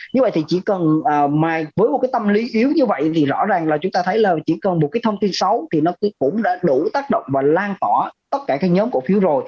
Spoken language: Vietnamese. như vậy thì chỉ cần với một cái tâm lý yếu như vậy thì rõ ràng là chúng ta thấy là chỉ cần một cái thông tin xấu thì nó cũng đã đủ tác động và lan tỏa tất cả các nhóm cổ phiếu rồi